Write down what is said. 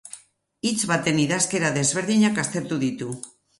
Hitz baten idazkera desberdinak aztertu ditu.